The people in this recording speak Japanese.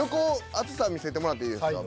厚さ見せてもらっていいですか。